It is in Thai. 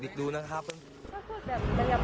เชิงชู้สาวกับผอโรงเรียนคนนี้